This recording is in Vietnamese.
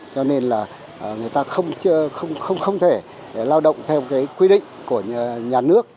cho nên là người ta không thể lao động theo cái quy định của nhà nước